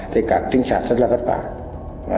thì các trinh sát rất là khó khăn